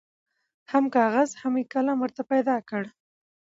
هم کاغذ هم یې قلم ورته پیدا کړ